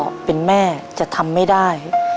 คนพ่อเป็นแม่จะทำไม่ได้